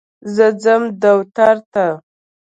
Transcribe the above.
زه ځم دوتر ته.